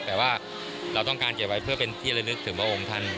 แต่ว่าเราต้องการเก็บไว้เพื่อเป็นที่ระลึกถึงพระองค์ท่าน